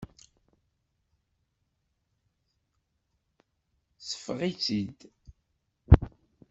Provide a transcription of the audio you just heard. Seffeɣ-itt-id.